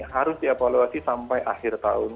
harus dievaluasi sampai akhir tahun